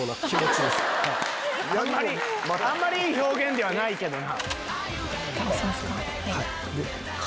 あんまりいい表現ではないけどな。